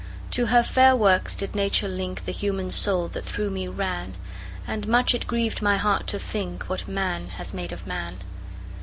To her fair works did Nature link The human soul that through me ran; And much it grieved my heart to think What man has made of man.